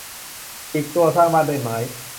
อีกตัว สร้างบ้านด้วยไม้